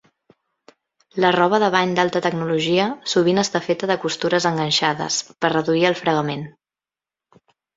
La roba de bany d'alta tecnologia sovint està feta de costures enganxades, per reduir el fregament.